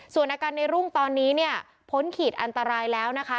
ส่วนอาการในรุ่งตอนนี้เนี่ยพ้นขีดอันตรายแล้วนะคะ